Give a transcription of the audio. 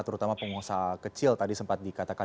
terutama pengusaha kecil tadi sempat dikatakan